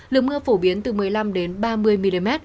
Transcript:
lượng mưa phổ biến từ một mươi năm đến ba mươi mm